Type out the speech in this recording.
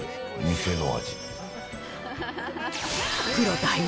店の味。